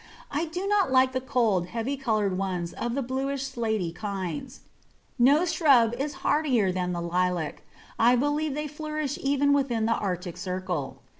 I do not like the cold, heavy coloured ones of the bluish slaty kinds. No shrub is hardier than the Lilac; I believe they flourish even within the Arctic Circle.